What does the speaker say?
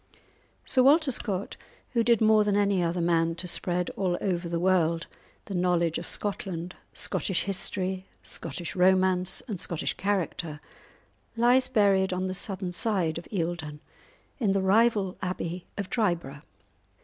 Sir Walter Scott, who did more than any other man to spread all over the world the knowledge of Scotland, Scottish history, Scottish romance, and Scottish character, lies buried on the southern side of Eildon, in the rival abbey of Dryburgh.